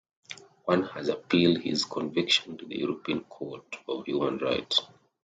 One has appealed his conviction to the European Court of Human Rights.